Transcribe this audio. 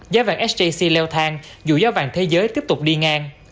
giá vàng sjc leo thang dù giá vàng thế giới tiếp tục đi ngang